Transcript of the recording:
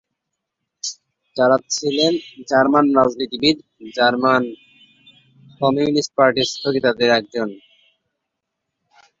Clara ছিলেন German রাজনীতিবিদ; German communist পার্টির স্থপতিদের একজন।